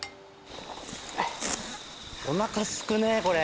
おなかすくねこれ。